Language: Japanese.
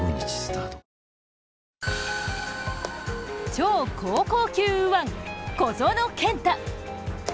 超高校級右腕・小園健太。